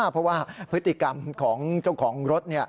เพราะว่าพฤติกรรมของเจ้าของรถ